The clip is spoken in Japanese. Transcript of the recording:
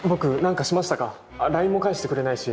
ＬＩＮＥも返してくれないし。